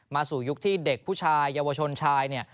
สู่ยุคที่เด็กผู้ชายเยาวชนชายเนี่ย